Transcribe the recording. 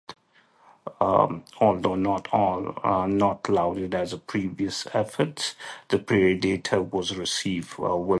Although not as lauded as his previous efforts, "The Predator" was well received.